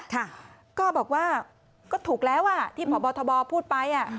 ค่ะก็บอกว่าก็ถูกแล้วอ่ะที่พบทบพูดไปอ่ะ